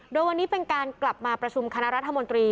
โดยวันนี้เป็นการกลับมาประชุมคณะรัฐมนตรี